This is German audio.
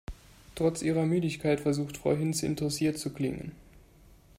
Trotz ihrer Müdigkeit versucht Frau Hinze, interessiert zu klingen.